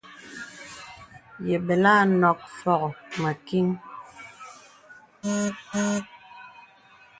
Yə bɛlə à nɔ̄k fɔŋ mə kìŋ.